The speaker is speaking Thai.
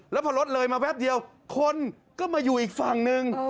แล้วพอรถเลยมาแป๊บเดียวคนก็มาอยู่อีกฝั่งหนึ่ง